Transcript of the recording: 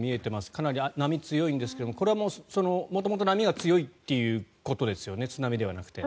かなり波が強いんですがこれは元々波が強いということですよね？